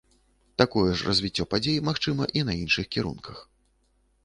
Такое ж развіццё падзей магчыма і на іншых кірунках.